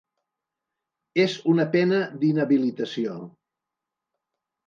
És una pena d’inhabilitació.